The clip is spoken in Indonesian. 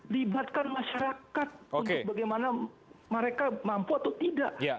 libatkan masyarakat untuk bagaimana mereka mampu atau tidak